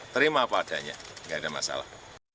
terima padanya enggak ada masalah